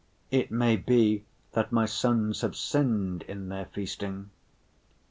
"It may be that my sons have sinned in their feasting."